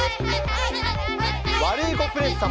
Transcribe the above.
ワルイコプレス様。